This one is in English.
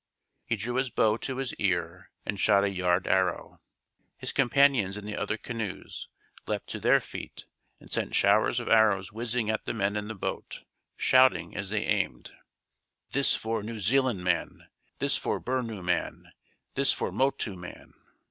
He drew his bow to his ear and shot a yard arrow. His companions in the other canoes leapt to their feet and sent showers of arrows whizzing at the men in the boat, shouting as they aimed: "This for New Zealand man, this for Bernu man, this for Motu man."